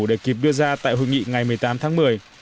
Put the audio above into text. để kịp đưa ra tại hội nghị ngày một mươi tám tháng một mươi